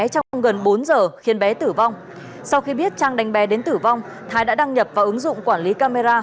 trong gần bốn giờ khiến bé tử vong sau khi biết trang đánh bé đến tử vong thái đã đăng nhập vào ứng dụng quản lý camera